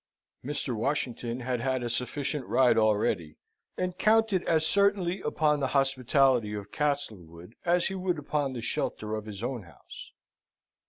Mr. Washington had had a sufficient ride already, and counted as certainly upon the hospitality of Castlewood, as he would upon the shelter of his own house.